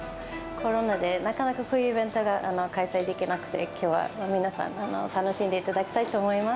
コロナでなかなかこういうイベントが開催できなくて、きょうは皆さん、楽しんでいただきたいと思います。